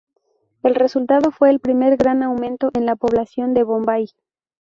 El resultado fue el primer gran aumento en la población de Bombay.